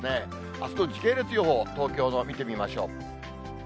あすの時系列予報、東京の、見てみましょう。